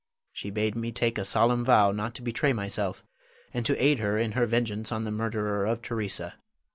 She bade me take a solemn vow not to betray myself, and to aid her in her vengeance on the murderer of Theresa.